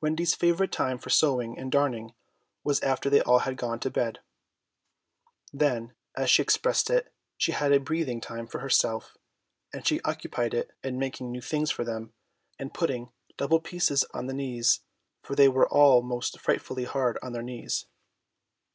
Wendy's favourite time for sewing and darning was after they had all gone to bed. Then, as she expressed it, she had a breathing time for herself; and she occupied it in making new things for them, and putting double pieces on the knees, for they were all most frightfully hard on their knees.